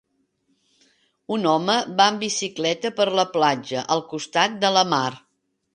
Un home va amb bicicleta per la platja, al costat de la mar.